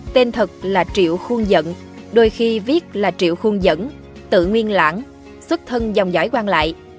tên thật là triệu khuôn dận đôi khi viết là triệu khuôn dẫn tự nguyên lãng xuất thân dòng giải quan lại